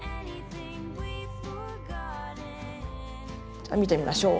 じゃあ見てみましょう。